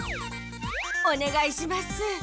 おねがいします。